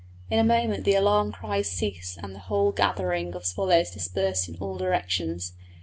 In a moment the alarm cries ceased and the whole gathering of swallows dispersed in all directions.